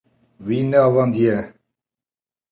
Wî neavandiye.